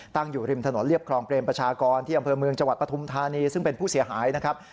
ตั้งอยู่ริมถนนเรียบคลองเปรมประชากรที่อำเภอเมืองจังหวัดปฐุมธานีซึ่งเป็นผู้เสียหายนะครับ